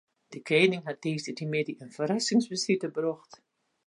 De kening hat tiisdeitemiddei in ferrassingsbesite brocht.